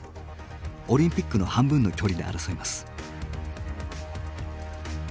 オリンピックの半分の距離で争います。